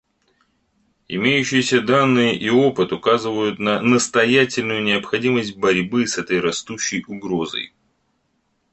Имеющиеся данные и опыт указывают на настоятельную необходимость борьбы с этой растущей угрозой.